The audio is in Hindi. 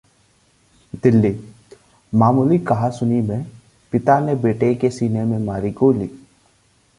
दिल्लीः मामूली कहासुनी में पिता ने बेटे के सीने में मारी गोली